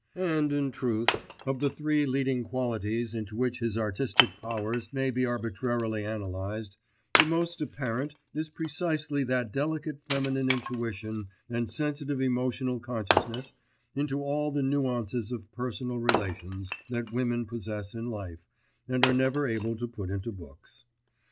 And in truth, of the three leading qualities into which his artistic powers may be arbitrarily analysed, the most apparent is precisely that delicate feminine intuition and sensitive emotional consciousness into all the nuances of personal relations that women possess in life and are never able to put into books.